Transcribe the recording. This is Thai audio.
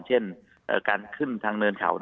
เช่นการขึ้นทางเนินเขา